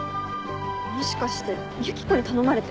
もしかしてユキコに頼まれて？